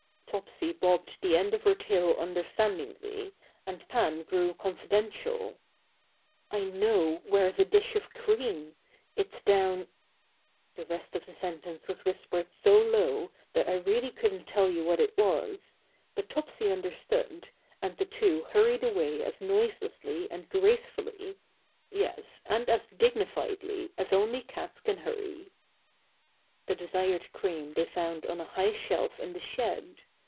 Topsy bobbed the end of her tail understandingly, and Pan grew confidential. "I know where's a dish of cream! It's down " The rest of the sentence was whispered so low that I really couldn't tell you what it was; but Topsy understood, and the two hurried away as noiselessly and gracefully, yes, and as dignifiedly as only cats can hurry. The desired cream they found on a high shelf in the shed.